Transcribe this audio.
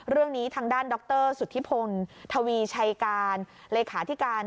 เรื่องนี้ทางด้านดรสุธิพงศ์ทวีชัยการเลขาธิการ